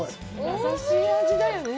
優しい味だよね。